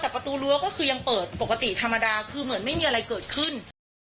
แต่ประตูรั้วก็คือยังเปิดปกติธรรมดาคือเหมือนไม่มีอะไรเกิดขึ้น